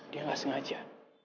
dia gak sengaja